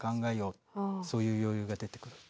そういう余裕が出てくる。